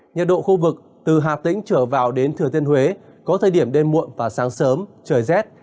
nhật độ khu vực từ hạ tĩnh trở vào đến thừa tiên huế có thời điểm đêm muộn và sáng sớm trời rét